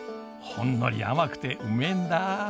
ほんのり甘くてうめえんだあ。